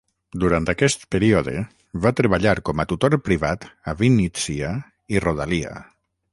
Durant aquest període, va treballar com a tutor privat a Vínnitsia i rodalia.